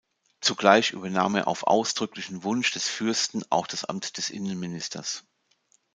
Zugleich übernahm er auf ausdrücklichen Wunsch des Fürsten auch das Amt des Innenministers.